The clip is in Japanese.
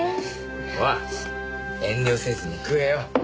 ほら遠慮せずに食えよ。